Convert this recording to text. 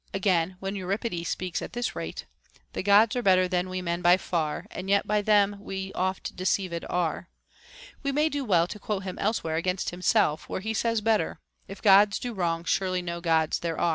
Again, when Euripides speaks at this rate, — The Gods are better than we men by far, And yet by them we oft deceived are, — we may do well to quote him elsewhere against himself, where he says better, — If Gods do wrong, surely no Gods there are.